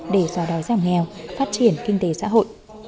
để xóa đói giảm nghèo phát triển kinh tế xã hội